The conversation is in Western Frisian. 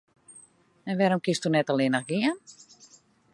En wêrom kinsto net allinnich gean?